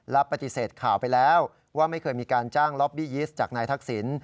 และปฏิเสธข่าวไปแล้วว่าไม่เคยมีการจ้างล็อบบี้ยิสต์จากนายทักษิณ